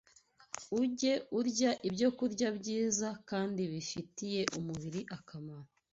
Ujye urya ibyokurya byiza kandi bifitiye umubiri akamaro